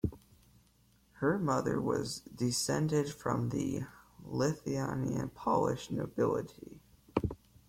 Her mother was descended from the Lithuanian-Polish nobility.